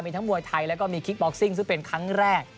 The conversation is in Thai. มีทั้งมวยไทยแล้วก็มีคิกบ็อกซิ่งซึ่งเป็นครั้งแรก